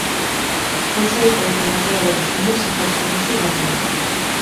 ბოლშევიკური გადატრიალების შემდეგ საქართველოში დაბრუნდა.